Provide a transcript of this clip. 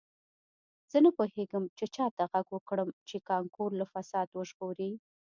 زه نه پوهیږم چې چا ته غږ وکړم چې کانکور له فساد وژغوري